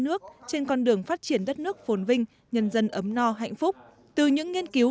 nước trên con đường phát triển đất nước phồn vinh nhân dân ấm no hạnh phúc từ những nghiên cứu